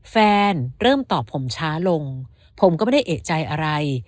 เริ่มตอบผมช้าลงผมก็ไม่ได้เอกใจอะไร